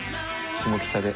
下北で。